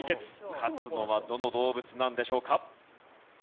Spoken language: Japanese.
勝つのはどの動物なんでしょうか？